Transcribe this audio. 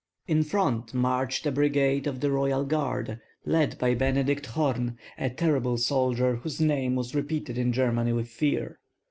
In front marched a brigade of the royal guard, led by Benedykt Horn, a terrible soldier, whose name was repeated in Germany with fear.